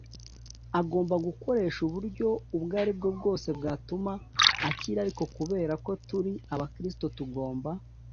agomba gukoresha uburyo ubwo ari bwo bwose bwatuma akira ariko kubera ko turi abakristo tugomba